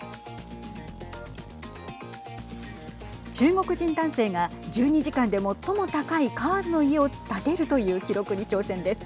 中国人男性が１２時間で最も高いカードの家を建てるという記録に挑戦です。